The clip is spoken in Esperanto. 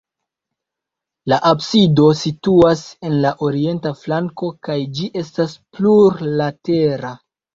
La absido situas en la orienta flanko kaj ĝi estas plurlatera.